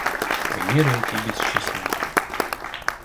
Примеры эти бесчисленны.